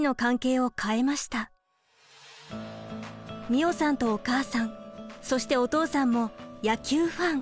美桜さんとお母さんそしてお父さんも野球ファン。